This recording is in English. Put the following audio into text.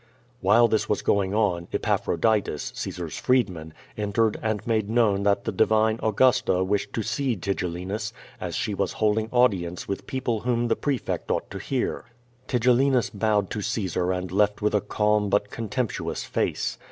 While this was going on, Epaphroditus, Caesar^s freedman, entered and made known that the divine Augusta wished to see Tigellinus, as she was holding audience with people whom the prefect ought to hear. Tigellinus bowed to Caesar and left with a calm but con temptuous face.